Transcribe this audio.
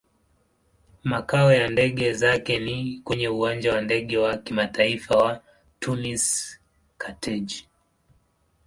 Makao ya ndege zake ni kwenye Uwanja wa Ndege wa Kimataifa wa Tunis-Carthage.